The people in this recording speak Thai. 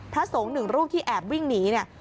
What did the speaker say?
พระสงฆ์หนึ่งรูปที่แอบวิ่งหนีเนี่ย